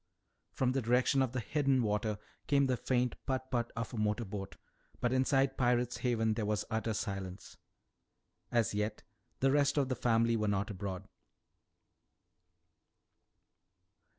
From the direction of the hidden water came the faint putt putt of a motor boat, but inside Pirate's Haven there was utter silence. As yet the rest of the family were not abroad.